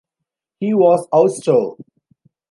He was austere.